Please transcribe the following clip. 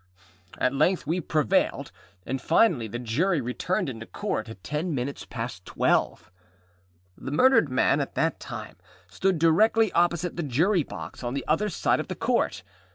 At length we prevailed, and finally the Jury returned into Court at ten minutes past twelve. The murdered man at that time stood directly opposite the Jury box, on the other side of the Court.